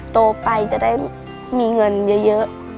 โตไปจะได้มีเงินเยอะ